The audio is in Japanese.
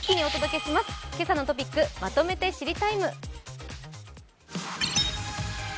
「けさのトピックまとめて知りＴＩＭＥ，」。